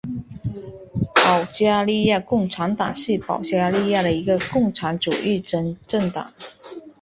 保加利亚共产党是保加利亚的一个共产主义政党。